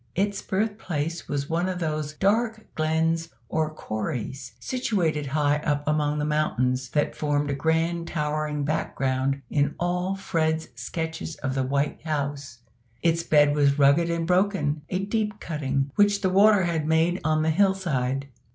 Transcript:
Its birthplace was one of those dark glens or "corries" situated high up among those mountains that formed a grand towering background in all Fred's sketches of the White House. Its bed was rugged and broken a deep cutting, which the water had made on the hill side.